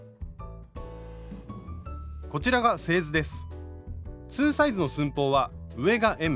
こちらが製図です。